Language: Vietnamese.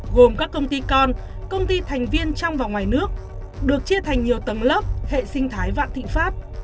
gồm các công ty con công ty thành viên trong và ngoài nước được chia thành nhiều tầng lớp hệ sinh thái vạn thịnh pháp